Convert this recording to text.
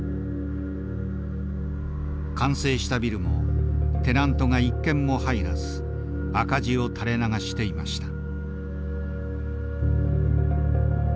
完成したビルもテナントが一軒も入らず赤字を垂れ流していました。